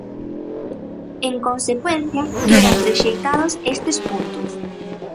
En consecuencia, quedan rexeitados estes puntos.